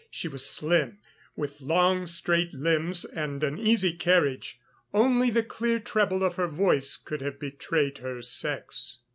She was slim, with long straight limbs and an easy carriage; only the clear treble of her voice could have betrayed her sex.